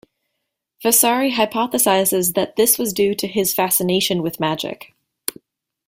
Vasari hypothesizes that this was due to his fascination with magic.